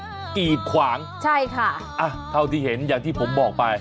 กีดขวางใช่ค่ะอ่ะเท่าที่เห็นอย่างที่ผมบอกไป